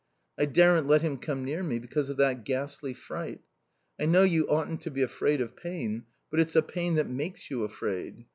I daren't let him come near me because of that ghastly fright. I know you oughtn't to be afraid of pain, but it's a pain that makes you afraid.